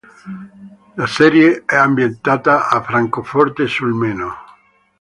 La serie è ambientata a Francoforte sul Meno.